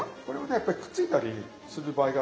やっぱりくっついたりする場合がありますから。